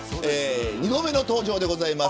２度目の登場です。